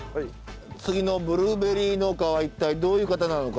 次のブルーベリー農家は一体どういう方なのか。